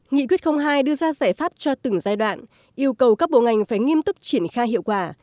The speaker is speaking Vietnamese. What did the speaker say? nghị quyết hai đưa ra giải pháp cho từng giai đoạn yêu cầu các bộ ngành phải nghiêm túc triển khai hiệu quả